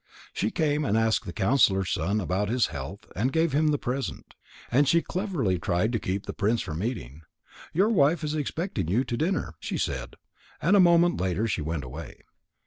She came and asked the counsellor's son about his health and gave him the present. And she cleverly tried to keep the prince from eating. "Your wife is expecting you to dinner," she said, and a moment later she went away.